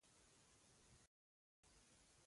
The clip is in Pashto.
د فرعونیانو د برجونو تورې ډبرینې ښیښې ځلولې.